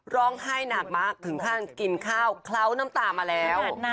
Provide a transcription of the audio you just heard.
ร้องไห้หนักมากถึงขั้นกินข้าวเคล้าน้ำตามาแล้ว